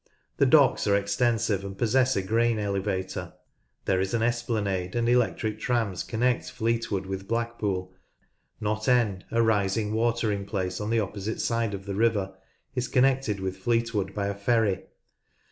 The docks are extensive and possess a grain elevator. There is an esplanade, and electric trams connect Fleetwood with Blackpool. Knott End, a rising watering place on the opposite side of the river, is connected with Fleetwood by a ferry.